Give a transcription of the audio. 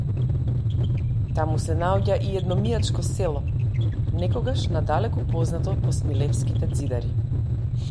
Таму се наоѓа и едно мијачко село, некогаш надалеку познато по смилевските ѕидари.